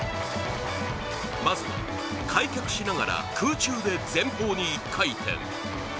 まずは、開脚しながら空中で前方に一回転。